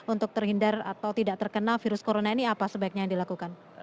untuk terhindar atau tidak terkena virus corona ini apa sebaiknya yang dilakukan